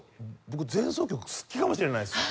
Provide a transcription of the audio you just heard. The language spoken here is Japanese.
僕前奏曲好きかもしれないです。